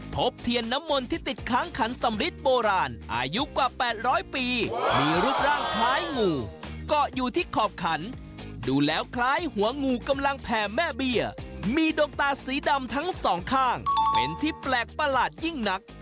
พบเทียนน้ำมนต์ที่ติดค้างขันสำริดโบราณอายุกว่า๘๐๐ปีมีรูปร่างคล้ายงูเกาะอยู่ที่ขอบขันดูแล้วคล้ายหัวงูกำลังแผ่แม่เบี้ยมีดวงตาสีดำทั้งสองข้างเป็นที่แปลกประหลาดยิ่งนัก